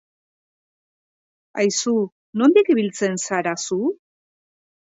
Aizu, nondik ibiltzen zara zu?